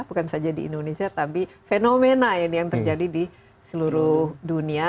bukan saja di indonesia tapi fenomena yang terjadi di seluruh dunia